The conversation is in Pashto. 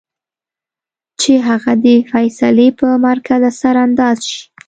چې هغه د فېصلې پۀ مرکز اثر انداز شي -